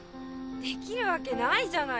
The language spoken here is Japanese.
できるわけないじゃない。